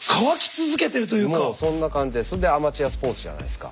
もうそんな感じでそれでアマチュアスポーツじゃないですか。